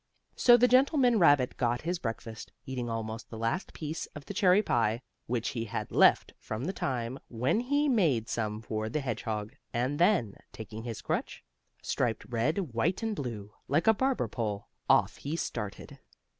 So the old gentleman rabbit got his breakfast, eating almost the last piece of the cherry pie, which he had left from the time when he made some for the hedgehog, and then, taking his crutch, striped red, white and blue, like a barber pole, off he started.